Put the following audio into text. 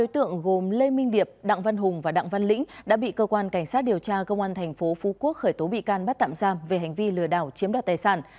trong khi đó hồ quyên và đặng văn hùng đã bị cơ quan cảnh sát điều tra công an thành phố phú quốc khởi tố bị can bắt tạm giam về hành vi lừa đảo chiếm đoạt tài sản